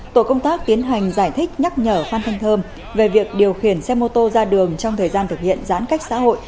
tổ công tác tiến hành giải thích nhắc nhở phan thanh thơm về việc điều khiển xe mô tô ra đường trong thời gian thực hiện giãn cách xã hội